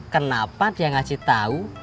kenapa dia ngasih tau